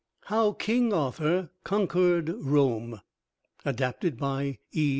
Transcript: HOW KING ARTHUR CONQUERED ROME ADAPTED BY E.